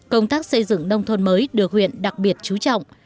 công tác xây dựng nông thôn mới được huyện đặc biệt chú trọng